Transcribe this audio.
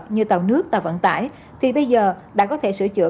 như tàu nước tàu vận tải thì bây giờ đã có thể sửa chữa